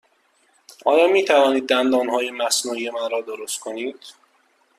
آیا می توانید دندانهای مصنوعی مرا درست کنید؟